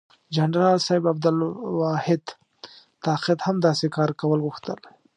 جنرال صاحب عبدالواحد طاقت هم داسې کار کول غوښتل.